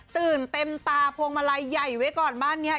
ตื่นเต็มตาพวงมาลัยใหญ่ไว้ก่อนบ้านนี้